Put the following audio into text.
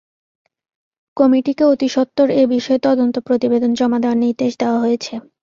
কমিটিকে অতিসত্বর এ বিষয়ে তদন্ত প্রতিবেদন জমা দেওয়ার নির্দেশ দেওয়া হয়েছে।